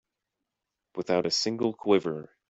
Without a single quiver.